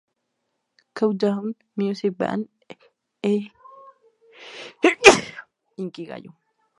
Countdown", "Music Bank" e "Inkigayo".